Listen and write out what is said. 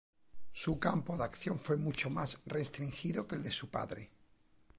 Su campo de acción fue mucho más restringido que el de su padre.